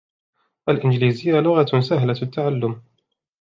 الإنجليزية لغة سهلة التعلم.